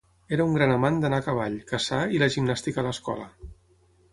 Era un gran amant d'anar a cavall, caçar i la gimnàstica a l'escola.